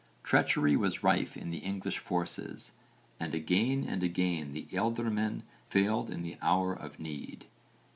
Treachery was rife in the English forces and again and again the ealdormen failed in the hour of need.